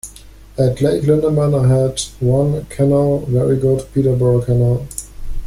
At Lake Linderman I had one canoe, very good Peterborough canoe.